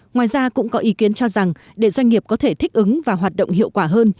ngoài ra cũng có ý kiến cho rằng để doanh nghiệp có thể thích ứng và hoạt động hiệu quả hơn